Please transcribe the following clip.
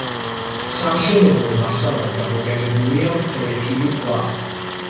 სამშენებლო მასალად გამოყენებულია ფლეთილი ქვა.